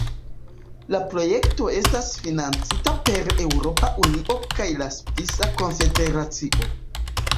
La projekto estas financita per Eŭropa Unio kaj la Svisa Konfederacio.